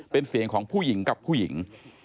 เป็นเสียงของผู้หญิงกับผู้หญิง